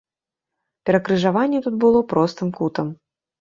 Перакрыжаванне тут было простым кутам.